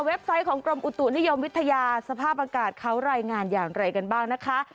ไซต์ของกรมอุตุนิยมวิทยาสภาพอากาศเขารายงานอย่างไรกันบ้างนะคะ